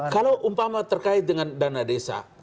kalau umpama terkait dengan dana desa